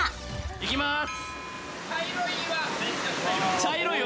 いきまーす。